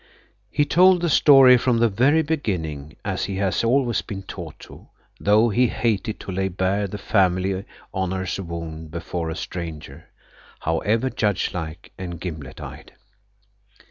He told the story from the very beginning, as he has always been taught to, though he hated to lay bare the family honour's wound before a stranger, however judgelike and gimlet eyed.